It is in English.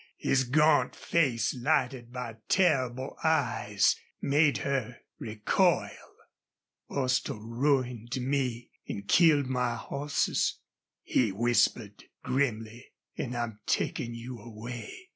His gaunt face, lighted by terrible eyes, made her recoil. "Bostil ruined me an' killed my hosses," he whispered, grimly. "An' I'm takin' you away.